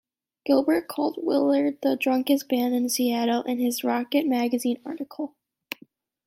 Gilbert called Willard the "drunkest band in Seattle" in his Rocket magazine article.